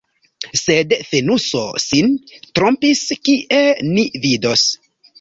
Sed Fenuso sin trompis, kiel ni vidos.